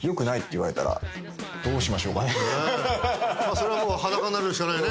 それはもう。